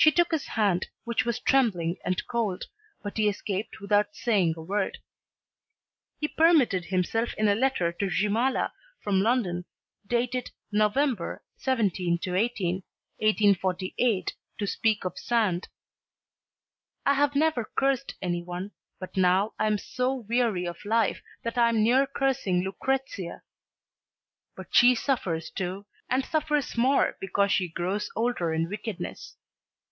She took his hand, which was "trembling and cold," but he escaped without saying a word. He permitted himself in a letter to Grzymala from London dated November 17 18, 1848, to speak of Sand. "I have never cursed any one, but now I am so weary of life that I am near cursing Lucrezia. But she suffers too, and suffers more because she grows older in wickedness.